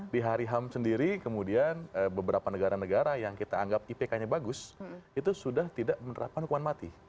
di hari ham sendiri kemudian beberapa negara negara yang kita anggap ipk nya bagus itu sudah tidak menerapkan hukuman mati